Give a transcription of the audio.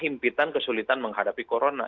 impitan kesulitan menghadapi corona